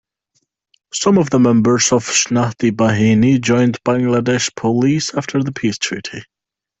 Some of the members of Shnati Bahini joined Bangladesh Police after the peace treaty.